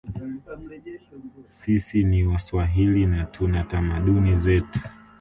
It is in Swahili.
Sisi ni waswahili na tuna tamaduni zetu